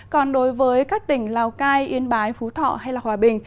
còn đối với các tỉnh lào cai yên bái phú thọ hay hòa bình